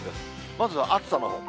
まずは暑さのほう。